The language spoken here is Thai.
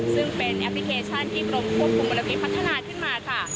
ซึ่งเป็นแอปพลิเคชันที่ปรมควบคุมบริมิตรพัฒนาที่มา